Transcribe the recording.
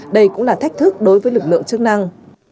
đây cũng là thách thức đối với lực lượng chức năng